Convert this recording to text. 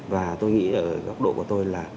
và tôi nghĩ ở góc độ của tôi là